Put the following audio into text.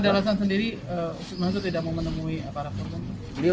ada alasan sendiri yusuf mansur tidak mau menemui para pembantu